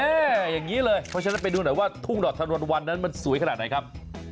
อย่างนี้เลยเพราะฉะนั้นไปดูหน่อยว่าทุ่งดอกทะนวลวันนั้นมันสวยขนาดไหนครับ